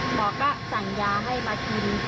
หมอก็สั่งยาให้มากิน